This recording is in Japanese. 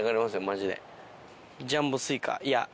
マジで。